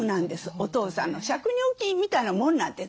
お父さんの借入金みたいなもんなんです。